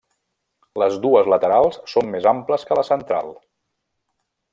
Les dues laterals són més amples que la central.